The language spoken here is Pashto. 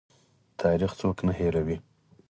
تاریخ څوک نه هیروي؟